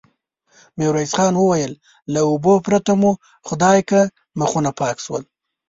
ميرويس خان وويل: له اوبو پرته مو خدايکه مخونه پاک شول.